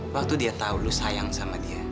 waktu dia tahu lu sayang sama dia